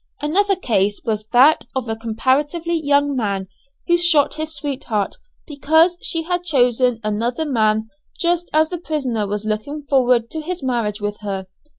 Another case was that of a comparatively young man, who shot his sweetheart because she had chosen another man just as the prisoner was looking forward to his marriage with her.